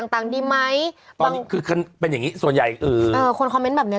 ต่างดีไหมตอนนี้คือเป็นอย่างงี้ส่วนใหญ่เออคนแบบนี้